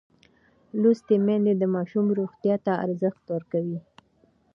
لوستې میندې د ماشوم روغتیا ته ارزښت ورکوي.